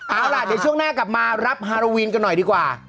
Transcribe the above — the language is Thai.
เอาล่ะเดี๋ยวช่วงหน้ากลับมารับฮาโลวีนกันหน่อยดีกว่า